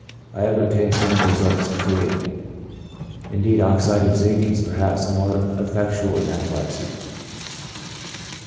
I have obtained similar results in chorea ; indeed oxide of zinc is perhaps more effectual in chorea than in epilepsy.